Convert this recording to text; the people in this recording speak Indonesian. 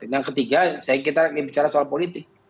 yang ketiga saya kita bicara soal politik